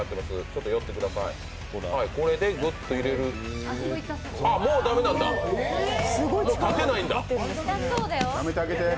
これでグッと入れる、もう駄目なんだ立てないんだ。